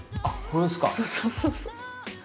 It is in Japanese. そうそうそうそう。